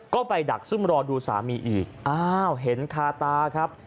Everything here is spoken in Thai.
ก็ไปดักซุ่มรอดูสามีอีกอ้าวเห็นคาตาครับ